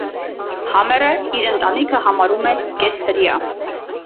Համերը իր ընտանիքը համարում է «կես հրեա»։